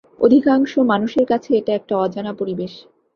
অধিকাংশ মানুষের কাছে এটা একটা অজানা পরিবেশ।